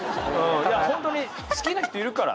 いやほんとに好きな人いるから。